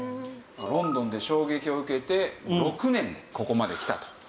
ロンドンで衝撃を受けて６年でここまできたと。